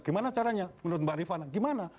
gimana caranya menurut mbak rifana gimana